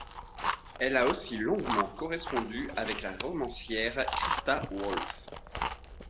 Elle a aussi longuement correspondu avec la romancière Christa Wolf.